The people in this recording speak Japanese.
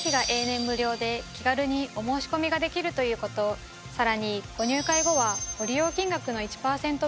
気軽にお申し込みができるということさらにご入会後は。